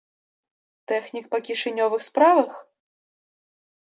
Тэхнік па кішанёвых справах?